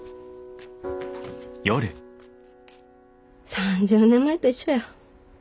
３０年前と一緒や。